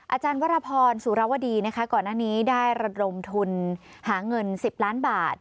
อาจารย์วรพรสุรวดีนะคะก่อนหน้านี้ได้ระดมทุนหาเงิน๑๐ล้านบาท